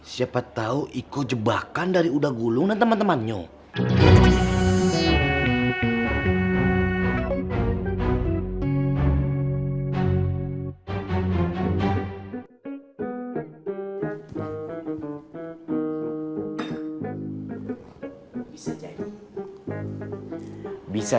siapa tau iku jebakan dari udah gulung dan teman temannya